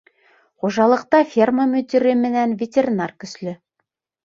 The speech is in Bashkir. Хужалыҡта ферма мөдире менән ветеринар көслө.